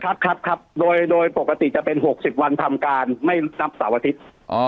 ครับครับโดยปกติจะเป็น๖๐วันทำการไม่นับเสาร์อาทิตย์